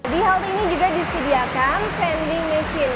di halte ini juga disediakan vending machine